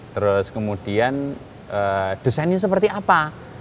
terus kemudian desainnya seperti apa